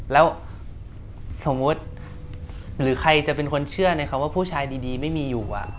แล้วสมมุติหรือใครจะเป็นคนเชื่อในคำว่าผู้ชายดีไม่มีอยู่